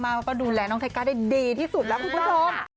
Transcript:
เขาก็ดูแลน้องไทก้าได้ดีที่สุดแล้วคุณผู้ชม